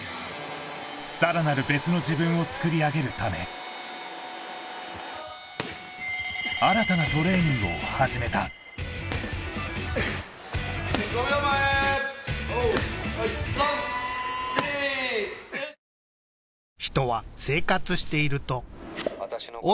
さらなる別の自分をつくり上げるため新たなトレーニングを始めた５秒前はい３２ウルフアロン